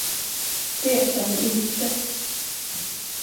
Det kan vi inte.